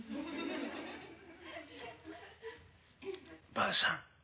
「ばあさん